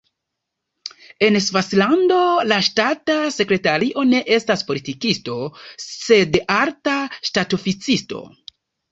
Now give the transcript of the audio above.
En Svislando la ŝtata sekretario ne estas politikisto, sed alta ŝtatoficisto.